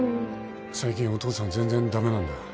最近お父さん全然駄目なんだ。